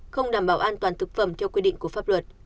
không đảm bảo an toàn thực phẩm theo quy định của pháp luật